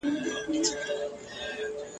وئيل يې چې دا شپه او تنهايۍ کله يو کيږي ..